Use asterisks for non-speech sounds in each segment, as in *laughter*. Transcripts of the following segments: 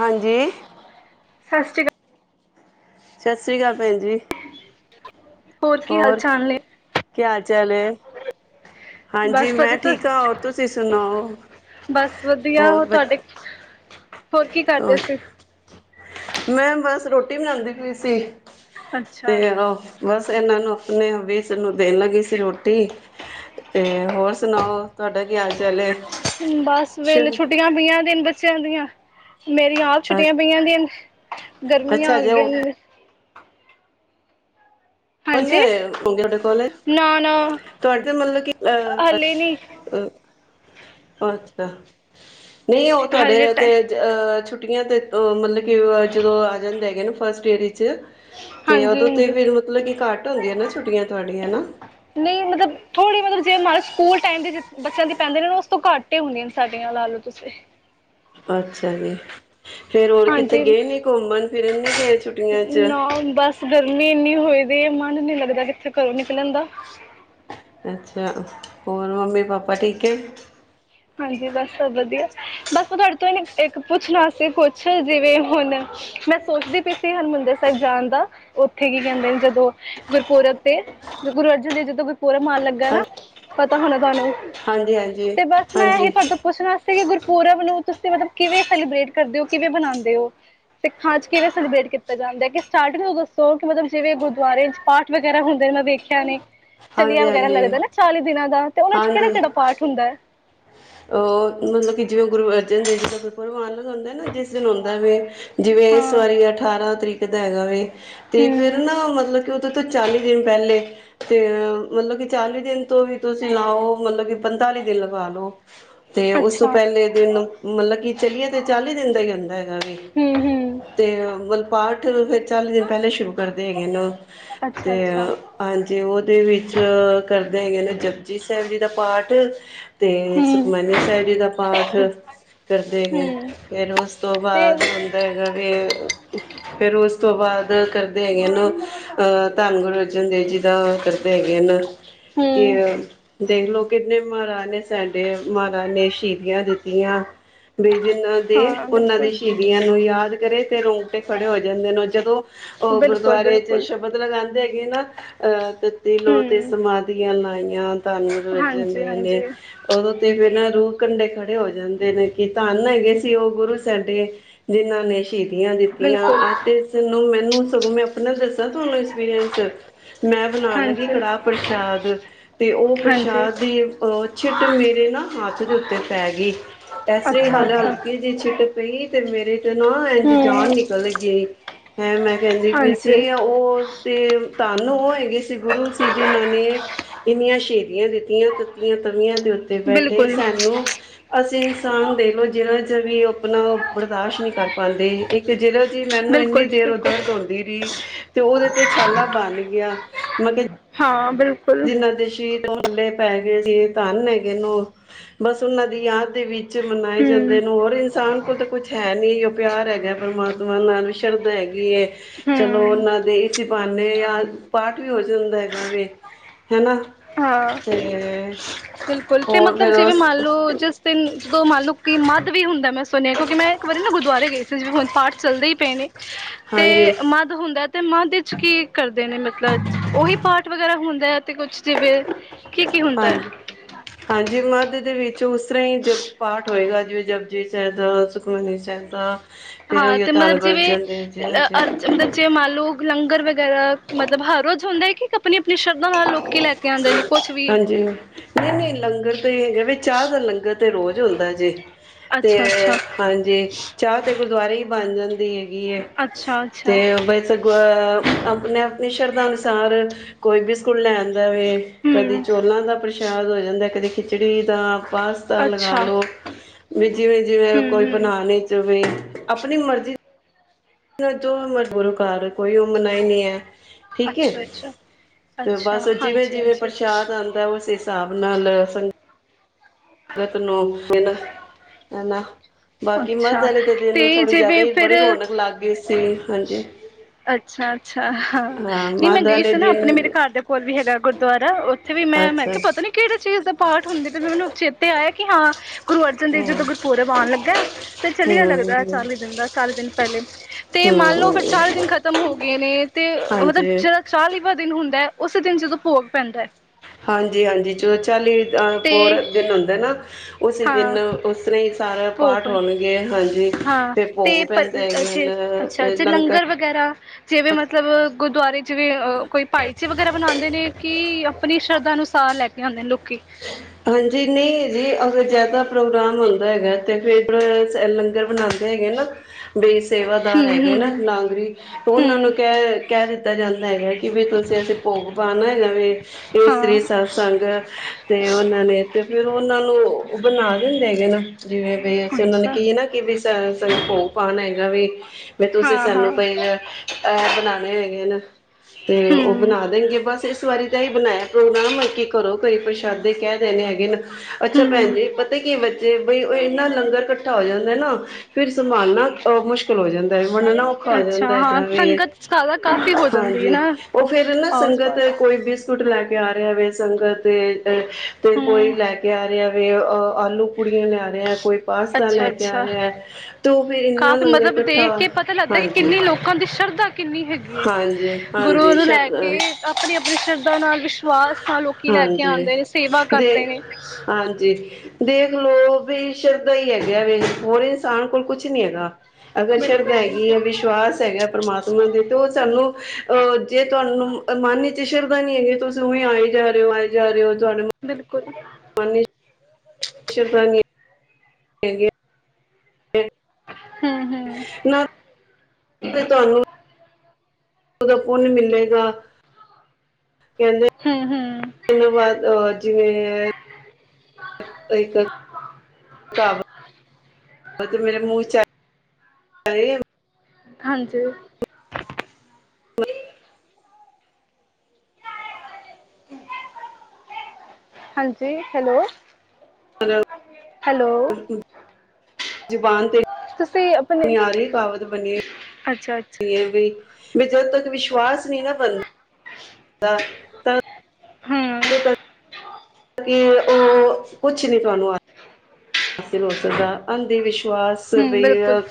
ਹਾਂਜੀ। ਸਸ੍ਰੀ ਕਾਲ। ਸਤਿ ਸ਼੍ਰੀ ਅਕਾਲ ਭੈਣ ਜੀ। ਅਕਾਲ ਕੀ ਹਾਲ ਹੋਰ ਚਾਲ ਨੇ ਕਿਆ ਹਾਲ ਚਾਲ ਐ? ਹਾਂਜੀ ਬਸ ਮੈਂ ਵਧੀਆ ਤੁ ਠੀਕ ਆ, ਹੋਰ ਤੁਸੀਂ ਸੁਣਾਓ? ਬਸ ਵਧੀਆ ਹੋਰ ਹੋ ਬੱ ਤੁਹਾਡੇ ਕੀ ਕਰਦੇ ਹੋਰ ਸੀ ਮੈਂ ਬਸ ਰੋਟੀ ਬਣਾਦੀ ਪਈ ਸੀ। ਅੱਛਾ ਤੇ ਉਹ ਬਸ ਇਹਨਾਂ ਨੂੰ ਆਪਣੇ ਵੀ ਅਵੀਸ ਨੂੰ ਦੇਣ ਲੱਗੀ ਸੀ ਰੋਟੀ। ਤੇ ਹੋਰ ਸੁਣਾਓ ਤੁਹਾਡਾ ਕੀ ਹਾਲ-ਚਾਲ ਏ? ਬਸ ਵੇਲੇ ਛੁੱਟੀਆਂ ਪਈਆਂ ਤਿੰਨ ਬੱਚਿਆਂ ਦੀਆਂ ਮੇਰੀਆਂ ਆਪ ਛੁੱਟੀਆਂ ਪਈਆਂ ਦੇਨ ਗਰਮੀਆਂ ਅੱਛਾ ਆ ਜੇ ਗਈਆਂ ਉਹ ਨੇ। ਬਨੇ ਹਾਂਜੀ ਹੋਏ ਆ *unintelligible* ਥੋਡੇ ਕੋਲੇਜ। ਨਾ ਨਾ। ਤੁਹਾਡੇ ਮਤਲਬ ਕਿ ਅਹ ਹਾਲੇ ਨੀ ਅ ਅੱਛਾ ਨਹੀਂ ਉਹ ਤੁਹਾਡੇ ਹਾਲੇ ਟ ਤੇ ਅਹ ਛੁੱਟੀਆਂ ਤੇ ਓ ਮਤਲਬ ਕਿ ਆ ਜਦੋਂ ਆ ਜਾਂਦੇ ਹੈਗੇ ਨਾ ਫਸਟ ਡੇਅ ਵਿੱਚ ਤੇ ਹਾਂਜੀ ਉਦੋਂ ਹਾਂਜੀ ਤੇ ਫੇਰ ਮਤਲਬ ਕਿ ਘੱਟ ਹੁੰਦੀਆ ਨਾ ਛੁੱਟੀਆਂ ਤੁਹਾਡੀਆਂ ਨਾ। ਨਹੀਂ ਮਤਲਬ ਥੋੜੀ ਮਤਲਬ ਜੇ ਮਲ ਸਕੂਲ ਟਾਈਮ ਦੇ ਜੇ ਬੱਚਿਆਂ ਦੇ ਪੈਂਦੇ ਨੇ ਉਸ ਤੋਂ ਘੱਟ ਹੀ ਹੁੰਦੀਆ ਸਾਡੀਆਂ ਲਾ ਲ‌ਓ ਤੁਸੀਂ। ਅੱਛਾ ਜੀ ਫੇਰ ਹੋਰ ਕਿੱਥੇ ਹਾਂਜੀ ਗਏ ਨੀ ਘੁੰਮਣ ਫਿਰ ਗਏ ਛੁਟ ਨਾ ਬਸ ਗਰਮੀ ਇੰਨੀ ਹੋਈ ਪ‌ਈ ਏ ਮਨ ਨੀ ਲੱਗਦਾ ਕਿਤੇ ਘਰੋਂ ਨਿਕਲਣ ਦਾ। ਅੱਛਾ, ਹੋਰ ਮੰਮੀ-ਪਾਪਾ ਠੀਕ ਐ? ਹਾਂਜੀ ਬਸ ਸਭ ਵਧੀਆ, ਬਸ ਮੈਂ ਤੁਹਾਡੇ ਤੋਂ ਇਹਨ ਇੱਕ ਪੁੱਛਣਾ ਸੀ ਕੁਛ ਜਿਵੇਂ ਹੁਣ ਮੈਂ ਸੋਚਦੀ ਪਈ ਸੀ ਹਰਿਮੰਦਰ ਸਾਹਿਬ ਜਾਣ ਦਾ ਉੱਥੇ ਕੀ ਕਹਿੰਦੇ ਨੇ ਜਦੋਂ ਗੁਰਪੂਰਬ ਤੇ ਗੁਰੂ ਅਰਜਨ ਦੇਵ ਜੀ ਜਦੋਂ ਗੁਰਪੂਰਬ ਆਣ ਲੱਗਾ ਨਾ ਪਤਾ ਹੋਣਾ ਤੁਹਾਨੂੰ? ਹਾਂਜੀ-ਹਾਂਜੀ। ਤੇ ਬਸ ਮੈਂ ਇਹੀ ਤੁਹਾਡੇ ਤੋਂ ਪੁੱਛਣਾ ਸੀ ਕਿ ਗੁਰਪੂਰਬ ਨੂੰ ਤੁਸੀਂ ਮਤਲਬ ਕਿਵੇਂ ਸੈਲੀਬ੍ਰੇਟ ਕਰਦੇ ਓ ਕਿਵੇਂ ਬਨਾਉਂਦੇ ਓ? ਸਿੱਖਾਂ ਚ ਕਿਵੇਂ ਸੈਲੀਬ੍ਰੇਟ ਕੀਤਾ ਜਾਂਦਾ ਕਿਸ ਸਟਾਟਹੋਗੁ ਸੋ ਮਤਲਬ ਜਿਵੇਂ ਗੁਰਦੁਆਰੇ ਚ ਪਾਠ ਵਗੈਰਾ ਹੁੰਦਾ ਨੇ ਮੈਂ ਵੇਖ ਸਿਆਣੇ ਚਲੀਆਂ ਹਾਂਜੀ ਵਗੈਰਾ ਹਾਂਜੀ ਲੱਗਦਾ ਨਾ ਚਾਲੀ ਦਿਨਾਂ ਦਾ ਤੇ ਉਹਨਾਂ ਚ ਹਾਂਜੀ ਕਿਹੜਾ-ਕਿਹੜਾ ਪਾਠ ਹੁੰਦਾ ਐ? ਮਤਲਬ ਕਿ ਜਿਵੇਂ ਗੁਰੂ ਅਰਜਨ ਦੇਵ ਜੀ ਦਾ ਗੁਰਪੂਰਬ ਹਨ। ਹੁੰਦਾ ਨਾ ਜਿਸ ਦਿਨ ਹੁੰਦਾ ਵੇ ਜਿਵੇਂ ਏਸ ਹਾਂ ਵਾਰੀ ਅਠਾਰਾਂ ਤਰੀਕ ਦਾ ਹੈਗਾ ਵੇ ਤੇ ਫੇਰ ਹੂੰ, ਨਾ ਮਤਲਬ ਕਿ ਉਹਦੇ ਤੋਂ ਚਾਲੀ ਦਿਨ ਪਹਿਲੇ ਤੇ ਮਤਲਬ ਕਿ ਚਾਲੀ ਦਿਨ ਤੋਂ ਵੀ ਤੁਸੀਂ ਲਾਉ ਮਤਲਬ ਕਿ ਪੰਤਾਲੀ ਦਿਨ ਲਗਾਓ ਲੋ ਤੇ ਉਸ ਤੋਂ ਅੱਛਾ ਪਹਿਲੇ ਦਿਨ ਮਤਲਬ ਕੀ ਚੱਲੀਏ ਤੇ ਚਾਲੀ ਦਿਨ ਦਾ ਹੀ ਰਹਿੰਦਾ ਹੈਗਾ ਵੇ ਹੂੰ-ਹੂੰ, ਤੇ ਮਤਲਬ ਪਾਠ ਫੇਰ ਚਾਲੀ ਦਿਨ ਪਹਿਲੇ ਸ਼ੁਰੂ ਕਰਦੇ ਹੈਗੇ ਨੇ। ਤੇ ਅੱਛਾ-ਅੱਛਾ ਅਹ‌ ਹਾਂਜੀ, ਉਹਦੇ ਵਿੱਚ ਕਰਦੇ ਹੈਗੇ ਨੇ ਜਪੁਜੀ ਸਾਹਿਬ ਜੀ ਦਾ ਪਾਠ ਤੇ ਹੂੰ, ਸੁਖਮੈਨੀ ਸਾਹਿਬ ਜੀ ਦਾ ਪਾਠ ਤ ਕਰਦੇ ਹੈਗੇ ਹੂੰ ਫਿਰ ਉਸ ਤੋਂ ਤੇ ਬਾਅਦ ਹੁੰਦਾ ਹੈਗਾ ਵੀ ਫੇਰ ਉਸ ਤੋਂ ਬਾਦ ਕਰਦੇ ਹੈਗੇ ਨਾ। ਅਹ ਧੰਨ ਗੁਰੂ ਅਰਜਨ ਦੇਵ ਜੀ ਦਾ ਕਰਦੇ ਹੈਗੇ ਆ ਨਾ ਕਿ ਹੂੰ, ਦੇਖਲੋ ਕਿਨੇ ਮਰਾਰੇ ਨੇ ਸਾਡੇ ਮਹਾਰਾਜ ਨੇ ਸ਼ਹੀਦੀਆਂ ਦਿੱਤੀਆਂ ਵੀ ਜਿਨਾਂ ਦੇ ਹਾਂ ਉਹਨਾਂ ਦੇ ਬਿਲਕੁਲ, ਸ਼ਹੀਦੀਆਂ ਨੂੰ ਯਾਦ ਕਰੇ ਤੇ ਰੋਂਗਟੇ ਖੜੇ ਹੋ ਜਾਂਦੇ ਨੇ ਜਦੋਂ ਉਹ ਗੁਰਦੁਆਰੇ ਚ ਬਿਲਕੁਲ-ਬਿਲਕੁਲ ਸ਼ਬਦ ਮਤਲਵ ਰਹਿੰਦੇ ਹੈਗੇ ਨਾ ਅਹ ਤੇਤੀ ਲੋ ਤੇ ਹੂੰ, ਸਮਾਧੀਆਂ ਲਾਈਆਂ ਧਾਨੂੰ ਖਵਾਜਾ ਮੈਨੇ ਹਾਂਜੀ-ਹਾਂਜੀ ਉਦੋਂ ਤੇ ਫਿਰ ਨਾ ਰੂਹ ਕੰਢੇ ਖੜੇ ਹੋ ਜਾਂਦੇ ਨੇ, ਕਿ ਧੰਨ ਹੈਗੇ ਸੀ ਉਹ ਗੁਰੂ ਸਾਡੇ। ਜਿਨ੍ਹਾਂ ਨੇ ਸ਼ਹੀਦੀਆਂ ਦਿੱਤੀਆਂ ਬਿਲਕੁਲ, ਅ ਅਤੇ ਇਸਨੂੰ ਮੈਨੂੰ ਸਗੋਂ ਮੈਂ ਆਪਣਾ ਦੱਸਾਂ ਤੁਹਾਨੂੰ ਐਕਸਪੀਰੀਅੰਸ ਮੈਂ ਬਣਾਉਣ ਲੱਗੀ ਹਾਂਜੀ, ਕੜਾਹ ਪ੍ਰਸ਼ਾਦ ਤੇ ਉਹ ਹਾਂਜੀ ਪ੍ਰਸ਼ਾਦ ਦੀ ਅਹ ਛਿੱਟ ਮੇਰੇ ਨਾ ਹੱਥ ਦੇ ਉੱਤੇ ਪੈ ਗਈ ਇਸ ਲਈ ਹਾਲ ਅੱਛਾ-ਅੱਛਾ ਹਲਕੀ ਜ ਛਿੱਟ ਪਈ ਤੇ ਮੇਰੇ ਤੇ ਨਾ ਇੰਝ ਹੂੰ, ਜਾਨ ਨਿਕਲ ਗਈ ਹੈ ਂਮੈਂ ਕਹਿੰਦੀ ਵੀ ਸੀ ਹਾਂਜੀ ਉਹ ਤੇ ਧਨ ਉਹ ਹੈਗੇ ਸੀ ਗੁਰੂ ਸੀ ਜਿਨ੍ਹਾਂ ਨੇ ਇੰਨੀਆਂ ਸ਼ਹੀਦੀਆਂ ਦਿੱਤੀਆਂ ਤੱਤੀਆਂ ਤਵੀਆਂ ਦੇ ਉੱਤੇ ਬੈਠੇ ਬਿਲਕੁਲ, ਸਾਨੂੰ ਅਸੀਂ ਇਨਸਾਨ ਦੇਖ ਲਓ ਜਿਹਨਾਂ 'ਚ ਵੀ ਆਪਣਾ ਉਹ ਬਰਦਾਸ਼ਤ ਨਹੀਂ ਕਰ ਪਾਦੇ। ਇੱਕ ਜਿਹਦਾ ਜੀ ਮੈਨੂੰ ਇੰਨੀ ਬਿਲਕੁਲ ਜੀ ਦੇਰ ਉੱਹ ਬਿਲਕੁਲ ਦਰਦ ਹੁਂਦੀ ਰਹੀ। ਤੇ ਉਹਦੇ ਤੇ ਛਾਲਾ ਬਣ ਗਿਆ ਮਤਬ ਹਾਂ ਬਿਲ ਜਿਨਾਂ ਦੇ ਸ਼ੀਰ ਛਾਲੇ ਪੈ ਗਏ ਸੀ ਧੰਨ ਹੈਗੇ ਨੂੰ ਬਸ ਉਹਨਾਂ ਦੀ ਯਾਦ ਦੇ ਵਿੱਚ ਮਨਾਏ ਹੂੰ, ਜਾਂਦੇ ਨੇ ਹੋਰ ਇਨਸਾਨ ਬਿਲਕਲ ਤਾਂ ਕੁਛ ਹੈ ਨਹੀਂੀ ਪਿਆਰ ਹੈਗਾ ਪ੍ਰਮਾਤਮਾ ਨਾਲ ਸ਼ਰਧਾ ਹੈਗੀ ਏ। ਚਲੋ ਹੂੰ ਉਹਨਾਂ ਦੇ ਇਸ ਬਹਾਨੇ ਪਾਠ ਵੀ ਹੋ ਜਾਂਦਾ ਹੈਗਾ ਵੇ। ਹੈ ਨਾ। ਹਾਂ ਬਿਲਕੁਲ ਤੇ ਮਤਲਬ ਜਿਵੇਂ ਮੰਨ ਲਓ ਜਿਸ ਜਦੋਂ ਮੰਨ ਲਓ ਕਿ ਮੱਧ ਵੀ ਹੁੰਦਾ ਮੈਂ ਸੁਣਿਆ, ਕਿਉਂਕਿ ਮੈਂ ਇੱਕ ਵਾਰੀ ਨਾ ਗੁਰਦੁਆਰੇ ਗਈ ਸੀ ਜ ਹੁਣ ਪਾਠ ਚੱਲਦੇ ਹੀ ਪਏ ਨੇ। ਤੇ ਹਾਂਜੀ ਮ ਹੁੰਦਾ ਤੇ ਮਧ ਦੇ ਵਿੱਚ ਕੀ ਕਰਦੇ ਨੇ ਮਤਲਬ, ਉਹੀ ਪਾਠ ਵਗੈਰਾ ਹੁੰਦਾ ਹੈ ਤੇ ਕੁਛ ਜਿਵੇਂ ਕੀ ਕੀ ਹੁੰਦਾ। ਹਾਂਜੀ ਹਾਂਜੀ, ਮੱਧ ਦੇ ਵਿੱਚ ਉਸ ਤਰ੍ਹਾਂ ਹੀ ਜ ਪਾਠ ਹੋਏਗਾ ਜਿਵੇਂ ਜ ਜ ਚਾਹੀਦਾ ਸੁੱਕਮਨੀ ਸਾਹਿਬ ਦਾ। ਫਿਰ ਹਾਂ ਉਹੀ ਤੇ ਧੰਨ ਮਤਲਬ ਗੁਰੂ ਜਿਵੇਂ ਅਰਜਨ ਦੇਵ ਜੀ ਹਾਂਜੀ ਮਤਲਬ ਚੇ ਮਾਲੋ ਲੰਗਰ ਵਗੈਰਾ ਮਤਲਬ ਹਰ ਰੋਜ਼ ਹੁੰਦਾ ਹੈ ਕਿ ਆਪਣੀ ਆਪਣੀ ਸ਼ਰਧਾ ਨਾਲ ਲੋਕੀ ਲੈ ਕੇ ਆਉਂਦੇ ਨੇ ਕੁਛ ਵੀ ਜੀ। ਨਹੀਂ- ਨਹੀਂ ਲੰਗਰ ਤੇ ਹੈਗਾ ਵੀ ਚਾਰ ਦਾਨ ਲੰਗਰ ਤੇ ਰੋਜ਼ ਹੁੰਦਾ ਜੇ ਤੇ ਅੱਛਾ ਅੱਛਾ ਹਾਂਜੀ, ਚਾਹ ਤੇ ਗੁਰਦੁਆਰੇ ਹੀ ਬਣ ਜਾਂਦੀ ਹੈਗੀ ਹੈ ਅੱਛਾ ਤੇ ਅੱਛਾ ਬ ਆਪਣੀ ਆਪਣੀ ਸ਼ਰਦਾ ਨੁਸਾਰ ਕੋਈ ਬਿਸਕੁਟ ਲੈ ਆਂ ਕਦੇ ਹਮ ਚੋਲਾਂ ਦਾ ਪ੍ਰਸ਼ਾਦ ਹੋ ਜਾਂਦਾ ਕਦੇ ਖਿਚੜੀ ਦਾ ਪਾਸਤਾ ਲਗਾ ਅੱਛਾ ਲਉ ਵੀ ਜਿਵੇਂ -ਜਿਵੇਂ ਹਮ ਕੋਈ ਹਮ ਬਣਾਣੇ ਆਪਣੀ ਮਰਜ਼ੀ ਗੁਰੂ ਘਰ ਕੋਈ ਮਨਾਹੀ ਨਹੀਂੀ ਹੈ। ਠੀਕ ਏ ਅੱਛਾ ਅੱਛਾ ਤੇ ਅੱਛਾ ਬਸ ਜਿਵੇਂ ਹਾਂਜੀ -ਜਿਵੇਂ ਹਾਂਜੀ ਪ੍ਰਸ਼ਾਦ ਆਦ ਤੇ ਉਸੇ ਹਿਸਾਬ ਨਾਲ ਸੰ ਅਤ ਨੋ ਕੇ ਨਾ *unintelligible* ਹੈਨਾ ਬਾਕੀ ਮਧ ਅੱਛਾ ਵਾਲੇ ਦੇ ਦਿਨ ਤੇ ਥੋੜ੍ਹੀ ਜਿਆਦਾ ਜਿਵੇਂ ਹੀ ਫਿਰ ਬੜੀ ਰੌਣਕ ਲੱਗ ਗਈ ਸੀ। ਹਾਂਜੀ। ਅੱਛਾ, ਅੱਛਾ ਹਾਂ ਨਹੀਂ ਮੈਂ ਮੱਧ ਗਈ ਵਾਲੇ ਸੀ ਨਾ ਆਪਣੇ ਮੇਰੇ ਦਿਨ ਘਰ ਦੇ ਕੋਲ ਵੀ ਹੈਗਾ ਗੁਰਦੁਆਰਾ ਵੀ ਮੈਂ ਮੈਂ ਅੱਛਾ ਕਿਹਾ ਪਤਾ ਨੀ ਕਿਹੜੇ ਚੀਜ਼ ਦਾ ਪਾਠ ਹੁੰ ਵੀ ਮੈਨੂੰ ਚੇਤੇ ਆਇਆ ਕਿ ਹਾਂ ਗੁਰੂ ਅਰਜਨ ਦੇਵ ਜੀ ਹਾਂ ਦਾ ਗੁਰਪੁਰਬ ਆਣ ਲੱਗਾ ਤੇ ਚਲੀਆ ਲਗਦਾ ਹੂੰ ਚਾਲੀ ਦਿਨ ਦਾ ਚਾਲੀ ਦਿਨ ਪਹਿਲੇ ਤੇ ਮੰਨ ਲਓ ਹੂੰ ਫੇਰ ਚਾਲੀ ਦਿਨ ਖ਼ਤਮ ਹੋ ਗਏ ਨੇ ਤੇ ਅ ਹਾਂਜੀ ਮਤਲਬ ਚਾਲੀਵਾ ਦਿਨ ਹੁੰਦਾ ਐ ਉਸੇ ਦਿਨ ਜਦੋਂ ਭੋਗ ਪੈਂਦੈ ਹਾਂਜੀ ਹਾਂਜੀ ਜੋ ਚਾਲੀ ਤੇ ਪੂਰਾ ਦਿਨ ਹੁੰਦਾ ਨਾ ਉਸੇ ਹਾਂ ਦਿਨ ਉਸ ਤਰ੍ਹਾਂ ਹੀ ਸਾਰੇ ਪਾਠ ਭੋਗ ਹੋਣਗੇ ਹਾਂਜੀ ਹਾਂ ਫੇਰ ਤੇ ਭੋਗ ਪਰ ਪੈਂਦੇ ਹੈਗੇ ਜੇ ਅੱਛਾ ਹਨ ਜੇ ਲੰਗਰ ਵਗੈਰਾ ਜਿਵੇਂ ਮਤਲਬ ਗੁਰਦੁਆਰੇ ਜਿਵੇਂ ਕੋਈ ਭਾਈਚੇ ਵਗੈਰਾ ਬਣਾਂਦੇ ਨੇ ਕਿ ਆਪਣੀ ਸ਼ਰਧਾ ਅਨੁਸਾਰ ਲੈ ਕੇ ਆਂਦੇ ਨੇ ਲੋਕੀ *inaudible* ਹਾਂਜੀ ਨਹੀਂ ਜੀ ਅਗਰ ਜ਼ਿਆਦਾ ਪ੍ਰੋਗਰਾਮ ਹੁੰਦਾ ਹੈਗਾ ਤੇ ਫੇਰ ਲੰਗਰ ਬਣਾਂਦੇ ਹੈਗੇ ਨਾ ਬਈ ਸੇਵਾਦਾਰ ਹੈਗੇ ਨਾ ਹਮ ਲਾਗਰੀ ਉਹਨਾਂ ਹਮ ਨੂੰ ਕਹਿ ਕਹਿ ਦਿੱਤਾ ਜਾਂਦਾ ਹੈਗਾ ਕਿ ਬਈ ਤੁਸੀਂ ਅਸੀਂ ਭੋਗ ਪਾਣਾ ਹੈਗਾ ਵੀ ਹਮ *unintelligible* ਸੰਗ ਤੇ ਉਹਨਾਂ ਨੇ ਤੇ ਫੇਰ ਉਹਨਾਂ ਨੂੰ ਬਣਾ ਦਿੰਦੇ ਹੈਗੇ ਨਾ ਜਿਵੇਂ ਵੀ ਹਾਂ ਅਸੀਂ ਉਹਨਾਂ ਨੂੰ ਅੱਛਾ ਕਹੀ ਏ ਨਾ ਕਿ ਵੀ ਸ ਸ ਭੋਗ ਪਾਣਾ ਹੈਗਾ ਵੀ ਕੇ ਤੁਸੀਂ ਹਾਂ ਹਾਂ ਸਾਨੂੰ *unintelligible* ਇਹ ਬਣਾਣੇ ਹੈਗੇ ਹਨ ਤੇ ਉਹ ਹਮ ਬਣਾ ਦੇਣਗੇ ਬਸ ਇਸ ਵਾਰੀ ਨੀ ਬਣਾਇਆ ਪ੍ਰੋਗਰਾਮ ਕੀ ਘਰੋਂ ਕੋਈ ਪ੍ਰਸ਼ਾਦੇ ਕਹਿ ਦੇਣੇ ਹੈਗੇ ਨਾ ਅੱਛਾ ਭੈਣ ਹਮ ਜੀ ਪ ਤਾਂ ਕਿ ਬੱਚੇ ਬਈ ਇਹਨਾ ਲੰਗਰ ਇਕੱਠਾ ਹੋ ਜਾਂਦਾ ਨਾ ਫਿਰ ਸੰਭਾਲਣਾ ਅ ਮੁਸ਼ਕਿਲ ਹੋ ਜਾਂਦਾ ਵੰਡਨਾ ਔਖਾ ਹੋ ਅੱਛਾ ਜਾਂਦਾ ਹਾਂ ਹੈਗਾ ਵੀ, ਸੰਗਤ ਜ਼ਿਆਦਾ ਕਾਫ਼ੀ ਹੋ ਜਾਂਦੀ ਹੈ ਹਾਂਜੀ ਨਾ ਉਹ ਫੇਰ ਨਾ ਆਸ ਸੰਗਤ ਪਾਸ ਕੋਈ ਬਿਸਕੁਟ ਲੈ ਕੇ ਆ ਰਿਹਾ ਵੇ ਸੰਗਤ ਤੇ ਕੋਈ ਹਮ ਲੈ ਕੇ ਆ ਰਿਹਾ ਅ ਆਲੂ ਪੂੜੀਆਂ ਲਿਆ ਰਿਹਾ ਆ ਕੋਈ ਪਾਸਤਾ ਲੈ ਅੱਛਾ ਕੇ ਆ ਅੱਛਾ ਰਿਹਾ ਤੇ ਉਹ ਫੇਰ ਇੰਨਾ ਕਾਫ਼ੀ ਲੰਗਰ ਕੱਠਾ, ਹਾਂਜੀ ਹਾਂਜੀ ਸਰਧਾ ਕਿੰਨੀ ਹੈਗੀ ਏ ਹਾਂਜੀ ਹਾਂਜੀ ਗੁਰੂਆਂ ਨੂੰ ਲੈ ਸ਼ ਕੇ ਆਪਣੀ ਆਪਣੀ ਸ਼ਰਧਾ ਨਾਲ ਵਿਸ਼ਵਾਸ ਆ ਲ ਹਾਂਜੀ, ਤੇ, ਹਾਂਜੀ ਦੇਖ ਲਓ ਵੀ ਸ਼ਰਧਾ ਹੀ ਹੈਗੀ ਆ ਵੇ ਹੋਰ ਇਨਸਾਨ ਕੋਲ ਕੁਛ ਨਈ ਹੈਗਾ ਅਗਰ ਸ਼ਰਧਾ ਬਿਲਕੁਲ ਹੈਗੀ ਆ ਬਿਲਕੁਲ ਵਿਸ਼ਵਾਸ ਹੈਗਾ ਪਰਮਾਤਮਾ ਤੇ ਉਹ ਸਾਨੂੰ ਅ ਜੇ ਤੁਹਾਨੂੰ ਮਨ ਵਿਚ ਸ਼ਰਧਾ ਨੀ ਹੈਗੀਆਂ ਤੁਸੀਂ ਉਈ ਆਏ ਜਾ ਰਹੇ ਹੋ ਆਏ ਜਾ ਰਹੇ ਹੋ ਤੁਹਾਡੇ ਬਿਲਕੁਲ ਮਨ ਸ਼ਰਧਾ ਨੀ ਹੈ ਗੀ ਏ *inaudible* ਹੂੰ ਹੂੰ ਨਾ ਲੇ ਤੁਹਾਨੂੰ ਪੁੁੰਨ ਮਿਲੇਗਾ, ਕਹਿੰਦੇ ਹੂੰ ਹੂੰ *unintelligible* ਬਾਦ ਅਹ ਜਿਵੇਂ *unintelligible* *unintelligible* ਮਤਲਬ ਮੇਰੇ ਮੂੰਹ ਵਿਚ ਅ ਆਏ ਹਾਂਜੀ ਹਾਂਜੀ ਹੈਲੋ ਹੈਲੋ ਜ਼ਬਾਨ ਤੇ ਤੁਸੀਂ ਆਪਣੇ ਨਿਆਰੇ ਕਹਾਵਤ ਬਣੀ ਅੱਛਾ ਅੱਛਾ ਵੀ *inaudible* ਵੀ ਜਦੋਂ ਤੱਕ ਵਿਸ਼ਵਾਸ ਨਹੀਂ ਨਾ ਬਣਦਾ ਤਾਂ ਹਮ ਉਦੋਂ ਤੱਕ ਕਿ ਉਹ ਕੁਛ ਨੀ ਤੁਹਾਨੂੰ ਆ ਹਾਸਿਲ ਹੋ ਸਕਦਾ ਅੰਧ ਵਿਸ਼ਵਾਸ ਹਮ ਬਿਲਕੁਲ ਸੁਬੇਰਾ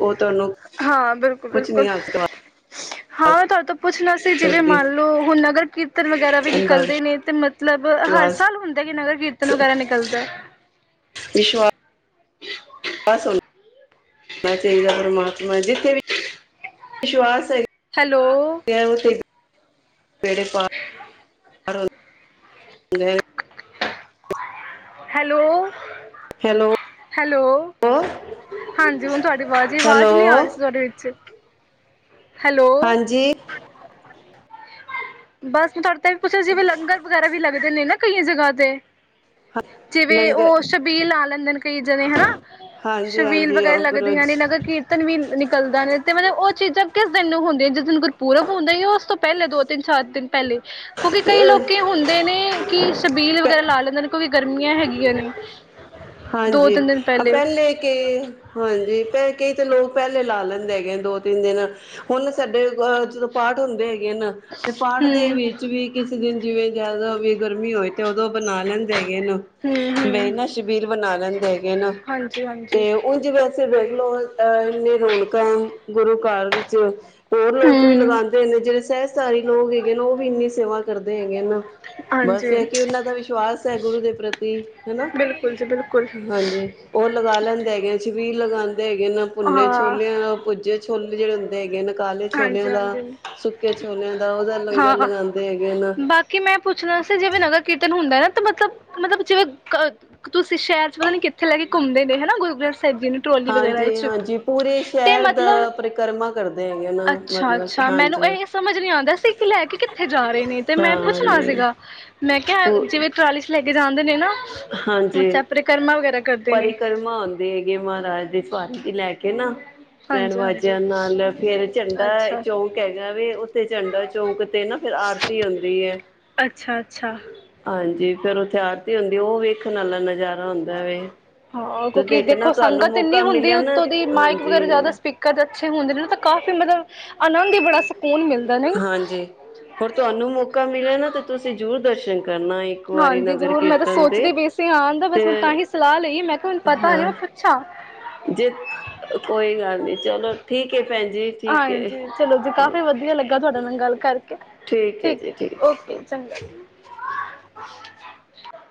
ਉਹ ਤੁਹਾਨੂੰ ਹਾਂ ਬਿਲਕੁਲ ਕੁਛ ਨੀ ਬਿਲਕੁਲ ਆ ਸਕ ਹਾਂ ਤੁਹਾਡੇ ਤੋਂ ਪੁੱਛਣਾ ਸੀ ਜਿਵੇਂ ਮੰਨ ਲਉਂ ਹੁਣ ਨਗਰ ਕੀਰਤਨ ਵਗੈਰਾ ਵੀ ਅੰਧਾ ਨਿਕਲਦੇ ਨੇ ਤੇ ਮਤਲਬ ਹਰ ਵਿਸ਼ਵਾਸ ਸਾਲ ਹੁੰਦੇ ਦਾਂ ਕਿ ਨਗਰ ਕੀਰਤਨ ਵਗੈਰਾ ਨਿਕਲਦਾ ਹੈ ਵਿਸ਼ਵਾਸ ਹੁੰਦਾ ਹੋਣਾ ਚਹੀਦਾ ਪਰਮਾਤਮਾ ਵਿੱਚ ਜਿੱਥੇ ਵੀ ਵਿਸ਼ਵਾਸ ਹੈਗਾ ਹੈਲੋ ਗਿਆ ਉਹ ਤੇ ਸਵੇਰੇ ਪਾ ਗਏ ਹੈਲੋ ਹੈਲੋ ਹੈਲੋ ਹਾਂਜੀ ਹੁਣ ਤੁਹਾਡੀ ਆਵਾਜ਼ ਵਾਜ਼ ਹੈਲੋ ਨਹੀਂ ਆ ਰਹੀ ਸੀ ਤੁਹਾਡੇ ਵਿੱਚ ਹੈਲੋ ਜੀ ਬਸ ਮੈਂ ਤੁਹਾਡੇ ਤਾਂ ਵੀ ਪੁੱਛਿਆ ਸੀ ਵੀ ਲੰਗਰ ਵਗੈਰਾ ਵੀ ਲੱਗਦੇ ਨੇ ਨਾ ਕਈ ਜਗ੍ਹਾ ਤੇ ਜਿਵੇਂ ਲੰਗਰ ਉਹ ਸ਼ਬੀਲ ਲਾ ਲੈਂਦੇ ਨੇ ਕਈ ਜਣੇ ਹਨਾ ਹਾਂਜੀ ਸ਼ਬੀਲ ਹਾਂਜੀ ਵਗੈਰਾ ਲੱਗਦੀਆਂ ਅੰਕੁਰਜ ਨੇ ਕੀਰਤਨ ਵੀ ਨਿਕਲਦਾ ਨੇ ਤੇ ਮਤਲਬ ਉਹ ਚੀਜ਼ਾਂ ਕਿਸ ਦਿਨ ਨੂੰ ਹੁੰਦੀਆਂ ਜਿਸ ਦਿਨ ਕੋਈ ਗੁਰਪੂਰਬ ਹੁੰਦਾ ਹੈ ਯਾ ਉਸ ਤੋਂ ਪਹਿਲੇ ਦੋ ਦਿਨ ਤਿੰਨ ਚਾਰ ਦਿਨ ਪਹਿਲੇ ਕਿਉਂਕਿ ਕਈ ਲੋਕੀ ਹੁੰਦੇ ਨੇ ਕਿ ਸ਼ਬੀਲ ਵਗੈਰਾ ਲਾ ਲੈਂਦਾ ਨੇ ਕੋ ਵੀ ਗਰਮੀਆਂ ਹੈਗੀਆਂ ਨੇ ਦੋ ਹਾਂਜੀ ਤਿੰਨ ਦਿਨ ਆ ਪਹਿਲੇ ਕੇ ਹਾਂਜੀ ਤੇ ਕਈ ਤੇ ਲੋਕ ਪਹਿਲੇ ਲਾ ਲੈਂਦੇ ਹੈਗੇ ਦੋ ਤਿੰਨ ਦਿਨ ਹੁਣ ਸਾਡੇ ਅ ਜਦੋਂ ਪਾਠ ਹੁੰਦੇ ਹੈਗੇ ਨ ਤੇ ਪਾਠ ਦੇ ਹੂੰ ਹੂੰ ਵਿੱਚ ਵੀ ਕਿਸੇ ਦਿਨ ਜਿਵੇਂ ਜਿਆਦਾ ਵੀ ਗਰਮੀ ਹੋਏ ਤੇ ਉਦੋਂ ਬਣਾ ਲੈਂਦੇ ਹੈਗੇ ਨ ਮੈ ਹੂੰ ਨਾ ਵੀਰ ਬਣਾ ਲੈਂਦੇ ਹੈਗੇ ਨ ਹਾਂਜੀ ਹਾਂਜੀ ਤੇ ਉਂਜ ਵੇਖਲੋ ਅਹ ਇੰਨੇ ਰੌਣਕਾਂ ਗੁਰੂ ਘਰ ਵਿੱਚ ਹੋਰ ਲੋਕ ਵੀ ਹੂੰ ਲਗਾਉਂਦੇ ਨੇ ਜਿਹੜੇ ਸਹਿਸਧਾਰੀ ਲੋਕ ਹੈਗੇ ਨੇ ਉਹ ਵੀ ਇੰਨੀ ਸੇਵਾ ਕਰਦੇ ਹੈਗੇ ਨਾ ਬਸ ਇਹ ਹਾਂਜੀ ਕਿ ਉਹਨਾਂ ਦਾ ਵਿਸ਼ਵਾਸ ਹੈ ਗੁਰੂ ਦੇ ਪ੍ਰਤੀ ਹੈ ਨਾ ਫੁੱਲ ਸੁੱਟਣਾ ਹਾਂਜੀ ਉਹ ਲਗਾ ਲੈਂਦੇ ਹੈਗੇ ਆ ਛਬੀਲ ਲਗਾਉਂਦੇ ਹੈਗੇ ਨਾ ਭੁੰਨੇ ਹਾਂ ਛੋਲੇਆਂ ਭੁੱਜੇ ਛੋਲੇ ਜਿਹੜੇ ਹੈਗੇ ਨੇ ਕਾਲੇ ਛੋਲਿਆਂ ਹਾਂਜੀ ਦਾ ਹਾਂਜੀ ਸੁੱਕੇ ਛੋਲਿਆਂ ਦਾ ਉਹਦਾ ਲੰਗਰ ਲਗਾਉਂਦੇ ਹੈਗੇ ਨ ਕਿ ਮੈਂ ਪੁੱਛਣਾ ਸੀ ਜਿਵੇਂ ਨਗਰ ਕੀਰਤਨ ਹੁੰਦਾ ਨਾ ਤਾਂ ਮਤਲਬ ਮਤਲਬ ਜਿਵੇਂ ਤੁਸੀਂ ਸ਼ਹਿਰ ਚ ਪਤਾ ਨੀ ਕਿੱਥੇ ਲੈ ਕੇ ਘੁੰਮਦੇ ਪਏ ਹਨਾ ਗੁਰੂ ਗ੍ਰੰਥ ਸਾਹਿਬ ਜੀ ਨੂੰ ਟਰੋਲੀ ਵਗੈਰਾ ਹਾਂਜੀ ਵਿੱਚ ਹਾਂਜੀ ਪੂਰੇ ਤੇ ਸ਼ਹਿਰ ਦਾ ਮਤਲਬ ਪਰਿਕਰਮਾ ਕਰਦੇ ਹੈਗੇ ਅੱਛਾ ਮਤਲਬ ਅੱਛਾ ਮੈਨੂੰ ਹਾਂਜੀ ਇਹ ਸਮਝ ਨੀ ਆਉਂਦਾ ਸੀ ਕਿ ਲੈ ਕੇ ਕਿੱਥੇ ਜਾ ਰਹੇ ਨੇ ਤੇ ਮੈਂ ਪੁੱਛਣਾ ਹਾਂ ਸੀਗਾ ਮੈਂ ਕਿਹਾ ਪ ਜਿਵੇਂ ਟਰਾਲੀ ਚ ਲੈ ਕੇ ਜਾਂਦੇ ਨੇ ਨਾ ਅੱਛਾ ਹਾਂਜੀ ਪਰਿਕਰਮਾ ਵਗੈਰਾ ਕਰਦੇ ਨੇ ਦੇ ਹੈਗੇ ਮਹਾਰਾਜ ਦੇ ਸਵਾਰੇ ਦੀ ਲੈ ਕੇ ਨਾ ਬੈਂਡ ਹਾਂਜੀ ਹਾਂਜੀ ਵਾਜਿਆਂ ਨਾਲ ਫੇਰ ਝੰਡਾ ਅੱਛਾ ਚੌਂਕ ਹੈਗਾ ਵ ਉੱਥੇ ਝੰਡਾ ਚੌਂਕ ਤੇ ਨਾ ਫਿਰ ਆਰਤੀ ਹੁੰਦੀ ਹੈ ਅੱਛਾ ਅੱਛਾ ਹਾਂਜੀ ਫੇਰ ਉਥੇ ਆਰਤੀ ਹੁੰਦੀ ਉਹ ਵੇਖਣ ਵਾਲਾ ਨਜ਼ਾਰਾ ਹੁੰਦਾ ਵੇ ਹਾਂ ਤੇ ਕਿਉਂਕਿ ਦੇਖਣਾ ਦੇਖੋ ਤੁਹਾਨੂੰ ਸੰਗਤ ਇੰਨੀ ਮੌਕਾ ਹੁੰਦੀ ਮਿਲਿਆ ਨਾ ਉੱਤੋਂ ਦੀ ਮਾਇਕ ਹਾਂਜੀ ਵਗੈਰਾ ਜ਼ਿਆਦਾ ਸਪੀਕ ਕਦੇ ਅੱਛੇ ਹੁੰਦੇ ਨੇ ਤੇ ਕਾਫੀ ਮਤਲਬ ਆਨੰਦ ਈ ਬੜਾ ਸਕੂਨ ਮਿਲਦਾ ਨਈ? ਪਰ ਤੁਆਨੂੰ ਮੌਕਾ ਮਿਲੇ ਨਾ ਤੇ ਤੁਸੀ ਜਰੂਰ ਦਰਸ਼ਨ ਕਰਨਾ ਇੱਕ ਵਾਰੀ ਨਗਰ ਕੀਰਤਨ ਤੇ। ਧਿਆਨ ਦਾ ਬਸ ਮੈਂ ਤਾਹੀ ਸਲਾਹ ਲਈ ਮੈਂ ਕਿਯਾ ਮਨੂੰ ਪਤਾ ਏ ਹਾਂ ਮੈਂ ਪੁੱਛਾ। ਜੇ ਕੋਈ ਗੱਲ ਨੀ ਚਲੋ ਠੀਕ ਏ ਭੈਨ ਜੀ ਠੀਕ ਏ। ਹਾਂਜੀ ਚਲੋ ਜੀ ਕਾਫੀ ਵਧੀਆ ਲੱਗਾ ਤੁਆਡੇ ਨਾਲ ਗੱਲ ਕਰਕੇ ਹੈ ਠੀਕ ਜੀ ਏ ਹੈ। ਓਕੇ ਚੰਗਾ।